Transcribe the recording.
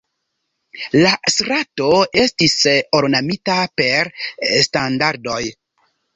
La strato estis ornamita per standardoj.